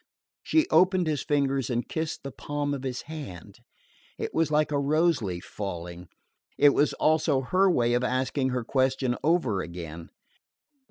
She opened his fingers and kissed the palm of his hand. It was like a rose leaf falling; it was also her way of asking her question over again.